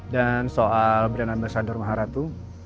dan soal berdana ambil sandor maharatu